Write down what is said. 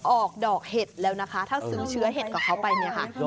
ออกดอกเห็ดแล้วนะคะถ้าซื้อเชื้อเห็ดกับเขาไปเนี่ยค่ะ